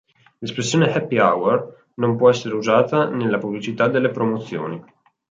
L'espressione "happy hour" non può essere usata nella pubblicità delle promozioni.